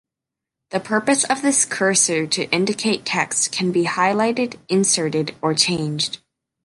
The purpose of this cursor to indicate text can be highlighted, inserted, or changed.